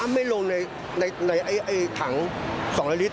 อ้ำไม่ลงในถังสองละลิตร